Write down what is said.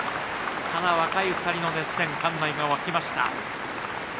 若い２人の熱戦、館内沸きました。